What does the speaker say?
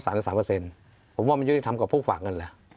ผมว่ามันเรียกความธรรมกับผู้ฝากเงินแหละ